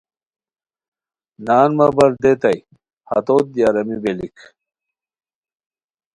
نان مہ بر دیتائے ہتوت دی آرامی بیلیک